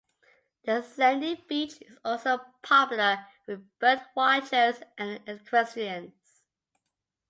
The sandy beach is also popular with bird watchers and equestrians.